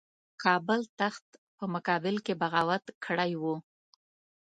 کابل تخت په مقابل کې بغاوت کړی وو.